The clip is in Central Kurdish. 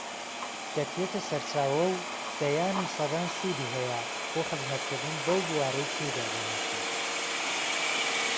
دەکرێتە سەرچاوە و دەیان و سەدان سوودی هەیە بۆ خزمەتکردن بەو بوارەی تێیدا دەنووسیت